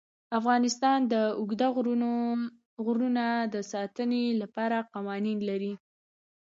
افغانستان د اوږده غرونه د ساتنې لپاره قوانین لري.